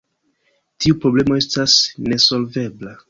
Tiu problemo estas nesolvebla.